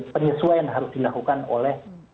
penyesuaian harus dilakukan oleh